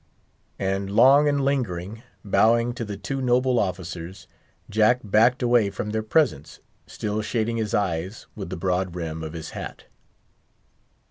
And long and lingeringly bowing to the two noble officers, Jack backed away from their presence, still shading his eyes with the broad rim of his hat.